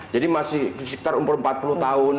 jadi masih sekitar umur empat puluh tahun